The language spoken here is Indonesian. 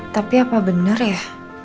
tapi apa bener ya